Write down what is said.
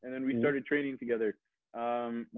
dan kita mulai berlatih bersama